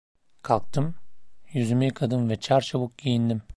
Kalktım, yüzümü yıkadım ve çarçabuk giyindim.